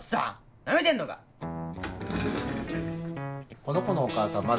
この子のお母さんまだ？